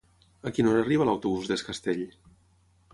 A quina hora arriba l'autobús d'Es Castell?